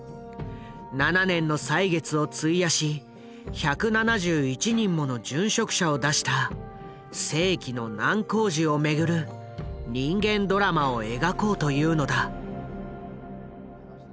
７年の歳月を費やし１７１人もの殉職者を出した「世紀の難工事」を巡る人間ドラマを描こうというのだ。